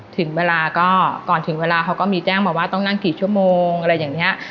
ถึงเวลาก็ก่อนถึงเวลาเขาก็มีแจ้งมาว่าต้องนั่งกี่ชั่วโมงอะไรอย่างนี้